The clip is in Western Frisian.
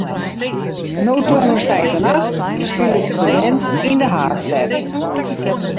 No tongersdeitenacht spilet de band yn de haadstêd.